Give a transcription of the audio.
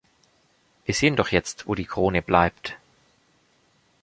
Wir sehen doch jetzt, wo die Krone bleibt!